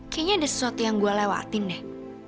kayaknya ada sesuatu yang gue lewatin deh